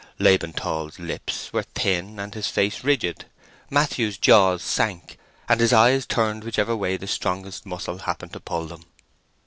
Laban Tall's lips were thin, and his face was rigid. Matthew's jaws sank, and his eyes turned whichever way the strongest muscle happened to pull them.